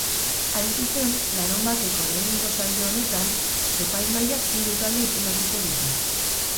Hain zuzen, larunbateko lehenengo saio honetan, epaimahaiak hiru talde izendatuko ditu.